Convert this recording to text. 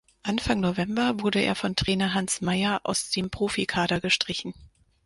Anfang November wurde er von Trainer Hans Meyer aus dem Profikader gestrichen.